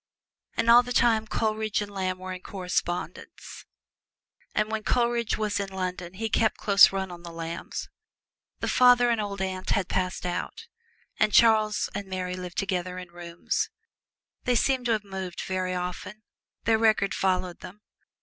And all the time Coleridge and Lamb were in correspondence: and when Coleridge was in London he kept close run of the Lambs. The father and old aunt had passed out, and Charles and Mary lived together in rooms. They seemed to have moved very often their record followed them.